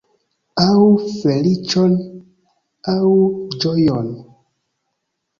Aŭ feliĉon, aŭ ĝojon.